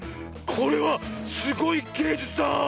これはすごいげいじゅつだ！